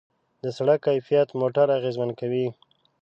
د سړک کیفیت موټر اغېزمن کوي.